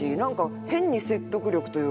変に説得力というか。